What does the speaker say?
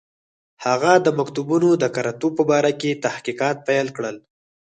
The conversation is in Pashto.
هغه د مکتوبونو د کره توب په باره کې تحقیقات پیل کړل.